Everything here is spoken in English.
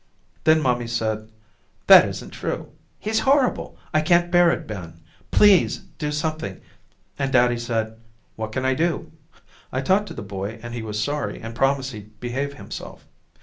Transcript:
Then mommy said that isn't true, he's horrible! I can't bear it, Ben, please do something, and daddy said what can I do? I talked to the boy and he was sorry and promised he'd behave himself.